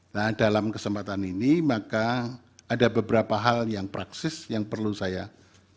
nah dalam kesempatan ini maka ada beberapa hal yang praksis yang perlu saya sampaikan